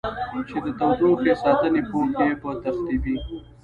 چې د تودوخې ساتنې پوښ یې په تخریبي